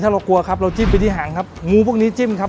ถ้าเรากลัวครับเราจิ้มไปที่หางครับงูพวกนี้จิ้มครับ